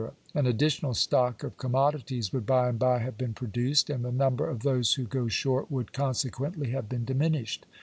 An additional stock of com modities would by and by have been produced, and the number of those who go short would consequently have been diminished.